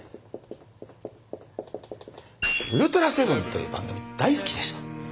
「ウルトラセブン」という番組大好きでした。